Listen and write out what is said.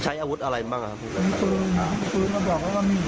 ใช้อาวุธอะไรบ้างครับอีกฟื้น